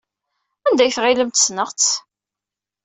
Anda ay tɣilemt ssneɣ-tt?